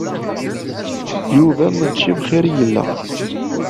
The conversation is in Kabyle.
Yuba mačči bxir i yella.